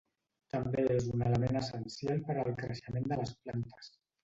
També és un element essencial per al creixement de les plantes.